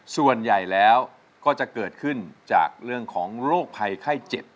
ส่วนใหญ่แล้วก็จะเกิดขึ้นจากเรื่องของโรคภัยไข้เจ็บ